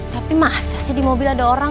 tapi masa sih di mobil ada orang